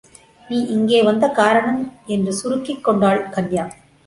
நீ இங்கே வந்த காரணம். என்று சுருக்கிக் கொண்டாள் கன்யா.